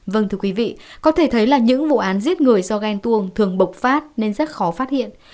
vâng thưa quý vị có thể thấy là những vụ án giết người do ghen tuồng thường bộc phát nên rất khó phát hiện